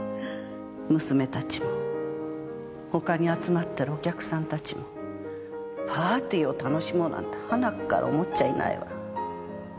娘たちも他に集まってるお客さんたちもパーティーを楽しもうなんてはなっから思っちゃいないわ。